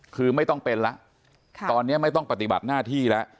คือไม่ต้องเป็นแล้วตอนนี้ไม่ต้องปฏิบัติหน้าที่แล้ว